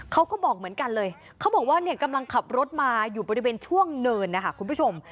เขาก็บอกเหมือนกันเลยเขาบอกว่าเนี่ยกำลังขับรถมาอยู่บริเวณช่วงเนินนะคะคุณผู้ชม